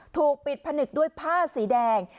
ถูกปิดผนึกด้วยผ้าสีแดง